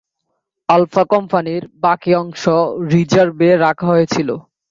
Alpha কোম্পানির বাকি অংশ রিজার্ভে রাখা হয়েছিল।